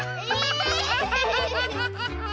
アハハハハ！